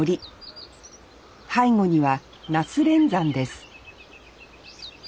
背後には那須連山です